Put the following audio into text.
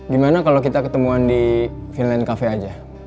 gimana kalau kita ketemuan di film cafe aja